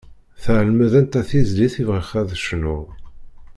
Tεelmeḍ anta tizlit i bɣiɣ ad d-cnuɣ.